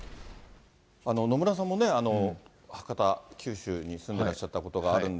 野村さんもね、博多、九州に住んでらっしゃったことがあるんで、